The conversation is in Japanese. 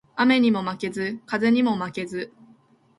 雨ニモ負ケズ、風ニモ負ケズ